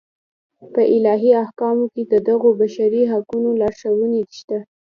په الهي احکامو کې د دغو بشري حقونو لارښوونې شته.